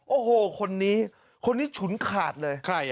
โอ้โหคนนี้คนนี้ฉุนขาดเลย